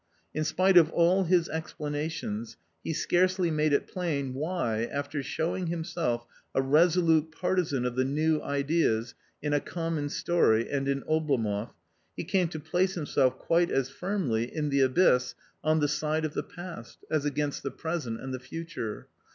In spite of all his explanations, he scarcely made it plain why, after showing himself a resolute partisan of the new ideas in A Common Story and in Oblomoff, he came to place himself quite as firmly, in The Abyss, on the side of the past, as against the present and the future.